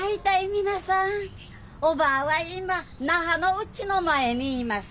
皆さんおばぁはいま那覇のうちの前にいます。